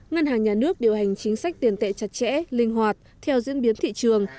ngân hàng nhà nước điều hành chính sách tiền tệ chặt chẽ linh hoạt theo diễn biến thị trường